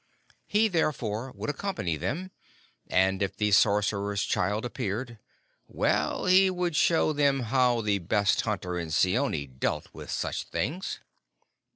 He, therefore, would accompany them, and if the sorcerer's child appeared well, he would show them how the best hunter in Seeonee dealt with such things.